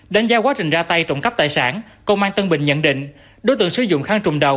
đánh giá quá trình ra tay trộm cắp tài sản công an tân bình nhận định đối tượng sử dụng khăn trùm đầu